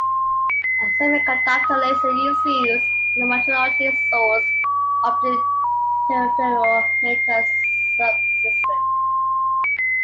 A semiconductor laser is used as the metrology source of the interferometer sub-system.